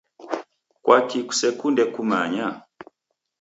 Kwaki kusekunde kumanya?